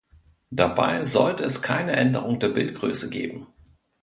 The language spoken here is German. Dabei sollte es keine Änderung der Bildgröße geben.